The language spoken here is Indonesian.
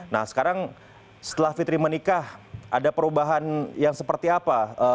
nah sekarang setelah fitri menikah ada perubahan yang seperti apa